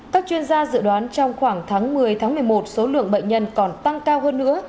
các chuyên gia dự đoán trong khoảng tháng một mươi tháng một mươi một số lượng bệnh nhân còn tăng cao hơn nữa